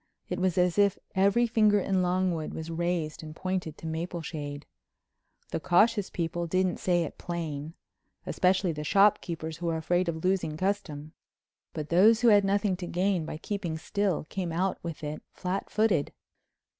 It was as if every finger in Longwood was raised and pointed to Mapleshade. The cautious people didn't say it plain—especially the shop keepers who were afraid of losing custom—but those who had nothing to gain by keeping still came out with it flatfooted.